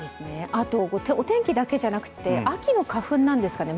お天気だけじゃなくて、秋の花粉なんですかね。